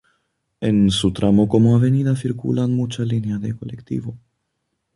En su tramo como avenida circulan muchas líneas de colectivos.